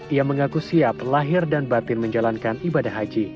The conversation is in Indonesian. ia mengaku siap lahir dan batin menjalankan ibadah haji